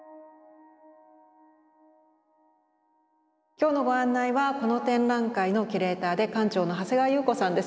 今日のご案内はこの展覧会のキュレーターで館長の長谷川祐子さんです。